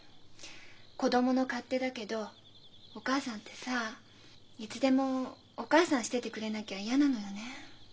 子供の勝手だけどお母さんってさいつでも「お母さん」しててくれなきゃ嫌なのよね。